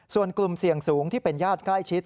ส่วนกลุ่มเสี่ยงสูงที่เป็นญาติใกล้ชิด